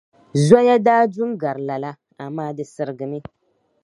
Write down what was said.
Zoya daa du n-gari lala, amaa di sirigimi.